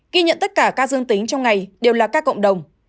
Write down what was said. ghi nhận tất cả các dương tính trong ngày đều là ca cộng đồng